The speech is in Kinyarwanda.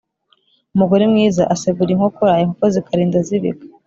Umugore mwiza asegura inkokora inkoko zikarinda zibika.